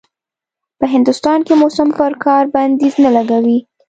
په هندوستان کې موسم پر کار بنديز نه لګوي.